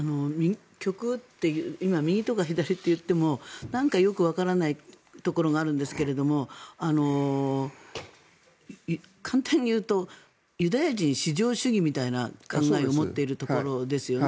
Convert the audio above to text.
今、右とか左って言ってもなんかよくわからないところがあるんですけれども簡単に言うとユダヤ人至上主義みたいな考えを持っているところですよね。